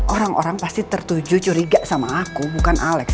orang orang pasti tertuju curiga sama aku bukan alex